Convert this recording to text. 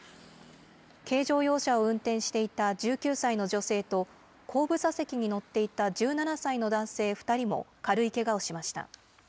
軽乗用車を運転していた１９歳の女性と、後部座席に乗っていた１７歳の男性２人も、軽いけがをしました。